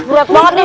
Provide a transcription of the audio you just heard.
berat banget nih